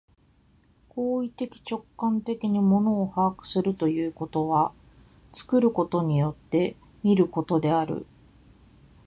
行為的直観的に物を把握するということは、作ることによって見ることである。